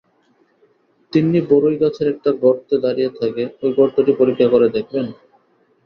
তিন্নি বড়ই গাছের একটা গর্তে দাঁড়িয়ে থাকে, ঐ গর্তটিও পরীক্ষা করে দেখবেন।